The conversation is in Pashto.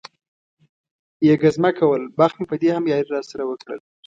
یې ګزمه کول، بخت مې په دې هم یاري را سره وکړل.